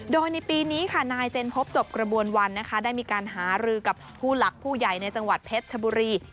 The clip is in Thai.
โดยในปีนี้ค่ะนายเจนพบจบกระบวนวันนะคะได้มีการหารือกับผู้หลักผู้ใหญ่ในจังหวัดเพชรชบุรี